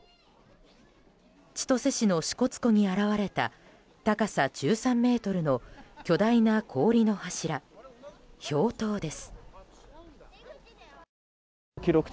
千歳市の支笏湖に現れた高さおよそ１３ｍの巨大な氷の柱、氷濤です。